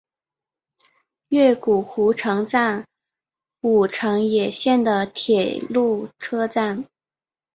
越谷湖城站武藏野线的铁路车站。